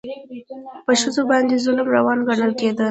په ښځو باندې ظلم روان ګڼل کېده.